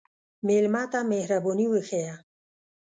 مېلمه ته مهرباني وښیه.